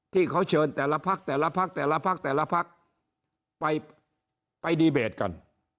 ที่เขาเชิญแต่ละพักแต่ละพักแต่ละพักแต่ละพักไปดีเบตกัน